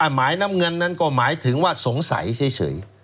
หมายน้ำเงินนั้นก็หมายถึงว่าสงสัยเฉย